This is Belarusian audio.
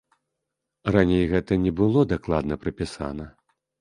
Раней гэта не было дакладна прапісана.